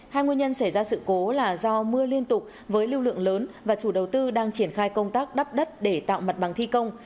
hai nguyên nhân xảy ra sự cố là do mưa liên tục với lưu lượng lớn và chủ đầu tư đang triển khai công tác đắp đất để tạo mặt bằng thi công